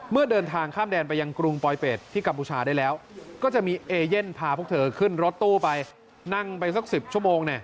เมื่อเดินทางข้ามแดนไปยังกรุงปลอยเป็ดที่กัมพูชาได้แล้วก็จะมีเอเย่นพาพวกเธอขึ้นรถตู้ไปนั่งไปสัก๑๐ชั่วโมง